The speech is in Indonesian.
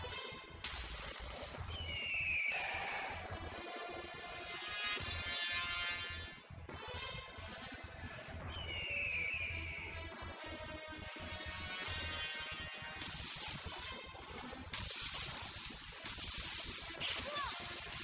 kau memang anak yang manis